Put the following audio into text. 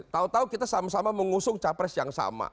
tahu tahu kita sama sama mengusung capres yang sama